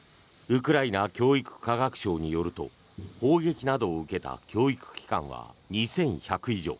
ウクライナ教育科学省によると砲撃を受けた教育機関は２１００以上。